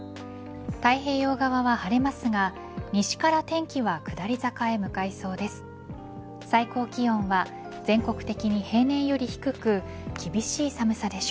太平洋側は晴れますが西から天気は下り坂へ向かいそうです。